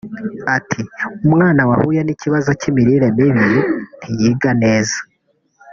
Ati“Umwana wahuye n’ikibazo cy’imirire mibi ntiyiga neza